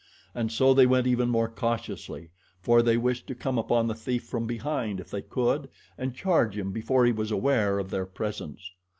And so they went even more cautiously, for they wished to come upon the thief from behind if they could and charge him before he was aware of their presence.